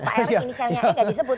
pak erik inisialnya e gak disebut